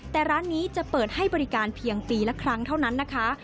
แต่ร้านนี้จะเปิดให้บริการเพียงปีละครั้งเท่านั้นนะคะ